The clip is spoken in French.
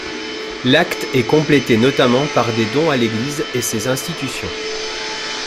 L'acte est complété notamment par des dons à l'Église et ses institutions.